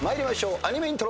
アニメイントロ。